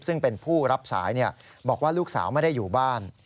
ซึ่งเป็นผู้รับสายบอกว่าลูกสาวไม่ได้อยู่บ้าน